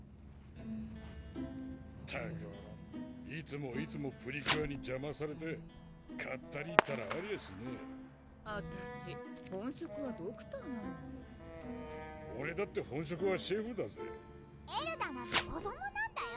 ったくいつもいつもプリキュアに邪魔されてかったりーったらありゃしねぇあたし本職はドクターなのにオレだって本職はシェフだぜエルダなんて子どもなんだよ